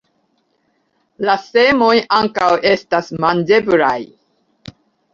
La semoj ankaŭ estas manĝeblaj.